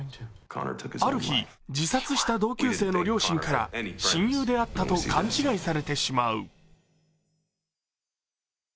ある日、自殺した同級生の両親から親友であったと勘違いされてしまう。